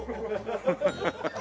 アハハハ。